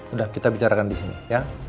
udah kita bicarakan di sini ya